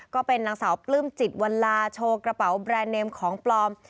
ก็เป็นนางสาวปลื้มจิตวันลาโชว์กระเป๋าแบรนด์เนมของปลอม